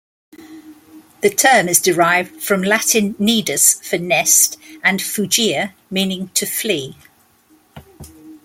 The term is derived from Latin "nidus" for "nest" and "fugere" meaning "to flee".